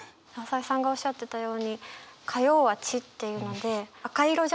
朝井さんがおっしゃってたように火曜は「血」っていうので赤色じゃないですか血って。